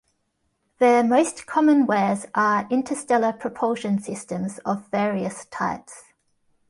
Their most common wares are interstellar propulsion systems of various types.